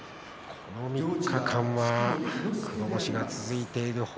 この３日間、黒星が続いています。